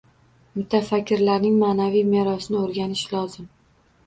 Mutafakkirlarning ma’naviy merosini o‘rganish lozim.